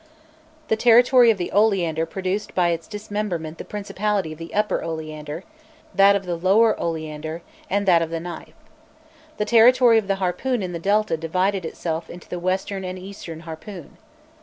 The territory of the Oleander produced by its dismemberment the principality of the Upper Oleander, that of the Lower Oleander, and that of the Knife. The territory of the Harpoon in the Delta divided itself into the Western and Eastern Harpoon.